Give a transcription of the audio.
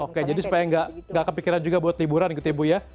oke jadi supaya nggak kepikiran juga buat liburan gitu ya bu ya